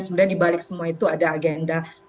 sebenarnya di balik semua itu ada agenda